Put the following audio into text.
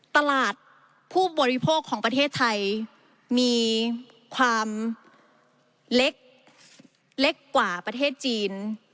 ตลาดผู้บริโภคของประเทศไทยมีความเล็กกว่าประเทศจีน